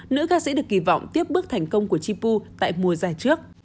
nữ ca sĩ được kỳ vọng tiếp bước thành công của chi pu tại mùa dài trước